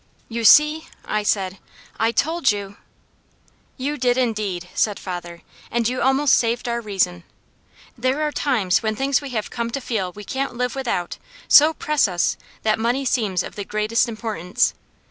"You see!" I said, "I told you " "You did indeed!" said father. "And you almost saved our reason. There are times when things we have come to feel we can't live without, so press us, that money seems of the greatest importance.